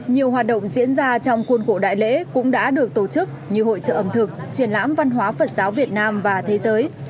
nhiều hoạt động diễn ra trong khuôn cổ đại lễ cũng đã được tổ chức như hội trợ ẩm thực triển lãm văn hóa phật giáo việt nam và thế giới